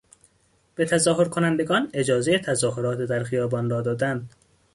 به تظاهر کنندگان اجازهی تظاهرات در خیابان را دادن